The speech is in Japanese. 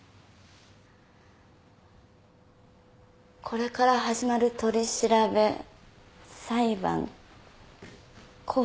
これから始まる取り調べ裁判拘置生活。